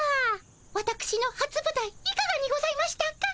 わたくしのはつぶたいいかがにございましたか？